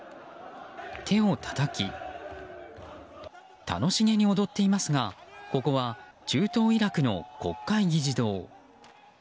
手をたたき楽しげに踊っていますがここは中東イラクの国会議事堂。